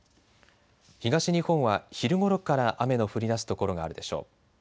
東日本は昼ごろから雨の降りだす所があるでしょう。